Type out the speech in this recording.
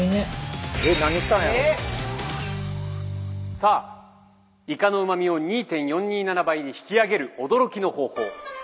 さあイカのうまみを２．４２７倍に引き上げる驚きの方法。